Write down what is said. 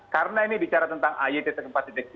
karena ini bicara tentang ayt empat dua